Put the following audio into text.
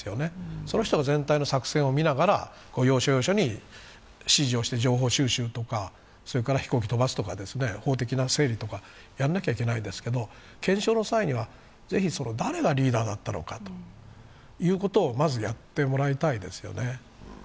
その人が全体の作戦を見ながら要所要所に指示をして情報収集とか、飛行機を飛ばすとか法的な整理とかやらなきゃいけないんですけど、検証の際には、ぜひ誰がリーダーだったのかをまずやってもらいたいですよね。